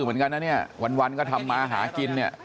เหมือนกันนะเนี่ยวันก็ทำมาหากินเนี่ย